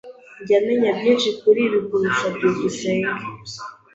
Njya menya byinshi kuri ibi kukurusha. byukusenge